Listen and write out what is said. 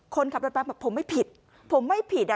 คนขับรถบ้าภัยขับผมไม่ผิดผมไม่ผิด่ะ